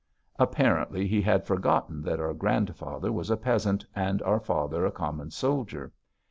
Apparently he had forgotten that our grandfather was a peasant and our father a common soldier.